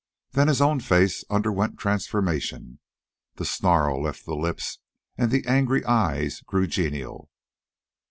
Then his own face underwent transformation. The snarl left the lips, and the angry eyes grew genial.